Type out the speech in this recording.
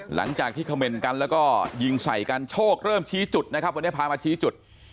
หลังจากที่เขม่นกันแล้วก็ยิงใส่กันโชคเริ่มชี้จุดนะครับวันนี้พามาชี้จุด